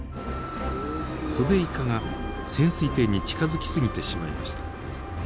ソデイカが潜水艇に近づき過ぎてしまいました。